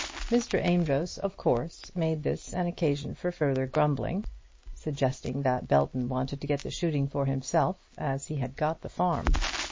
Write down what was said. Mr. Amedroz of course made this an occasion for further grumbling, suggesting that Belton wanted to get the shooting for himself as he had got the farm.